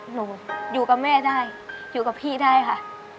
หนูอยู่กับแม่ได้อยู่กับพี่ได้ค่ะ